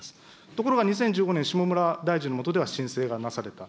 ところが２０１５年、下村大臣の下では申請がなされた。